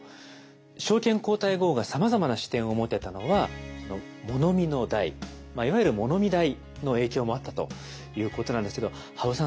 昭憲皇太后がさまざまな視点を持てたのは物見の台いわゆる物見台の影響もあったということなんですけど羽生さん